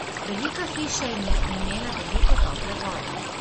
Velika hiša je imela veliko tople vode.